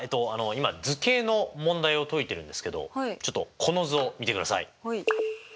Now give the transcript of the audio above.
今図形の問題を解いてるんですけどちょっとこの図を見てください。